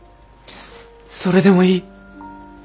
それでもいい。